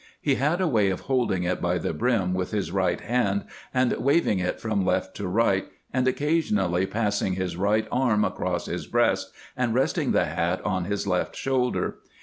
He had a way of holding it by the brim with his right hand and waving it from left to right, and occasionally passing his right arm across his breast and resting the hat on his left shoulder.